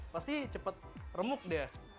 pasti cepet remuk dia